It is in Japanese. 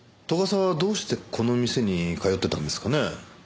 沢はどうしてこの店に通ってたんですかね？